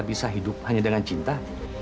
bisa hidup hanya dengan cinta